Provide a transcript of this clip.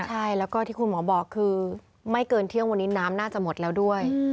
ใช่แล้วก็ที่คุณหมอบอกคือไม่เกินเที่ยงวันนี้น้ำน่าจะหมดแล้วด้วย